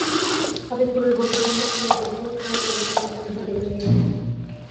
হবিবপুরের বৌটি ঘোমটা খুলিয়া কৌতুহলের সহিত প্রবেশমান ট্রেনখানার দিকে চাহিয়া ছিল।